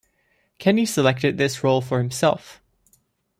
Kenney selected this role for himself.